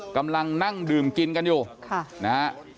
กำลังนั่งดื่มกินกันอยู่นะฮะ